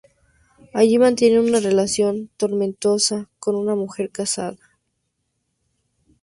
Allí mantiene una relación tormentosa con una mujer casada.